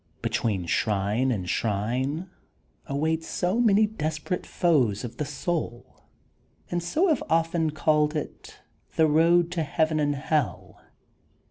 Between shrine and shrine, await many desperate foes of the souL And so have often called it * The Boad to Heaven and Hell.'